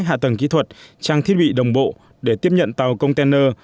hạ tầng kỹ thuật trang thiết bị đồng bộ để tiếp nhận tàu container